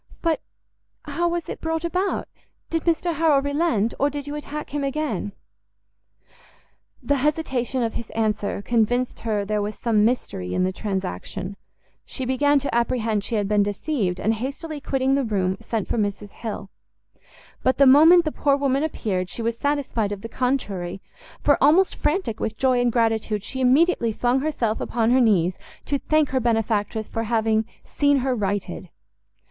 "But how was it brought about? did Mr Harrel relent? or did you attack him again?" The hesitation of his answer convinced her there was some mystery in the transaction; she began to apprehend she had been deceived, and hastily quitting the room, sent for Mrs Hill: but the moment the poor woman appeared, she was satisfied of the contrary, for, almost frantic with joy and gratitude, she immediately flung herself upon her knees, to thank her benefactress for having seen her righted.